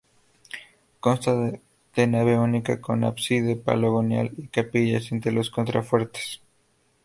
Consta de nave única, con ábside poligonal y capillas entre los contrafuertes.